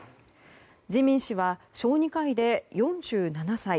自見氏は小児科医で４７歳。